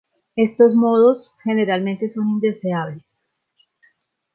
Estos modos generalmente son indeseables.